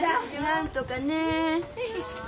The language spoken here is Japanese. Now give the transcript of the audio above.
なんとかね。